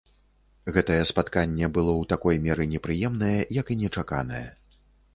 Гэтае спатканне было ў такой меры непрыемнае, як і нечаканае.